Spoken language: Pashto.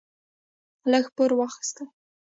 لږ پور اخيستل: